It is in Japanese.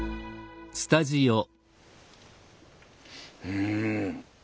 うん。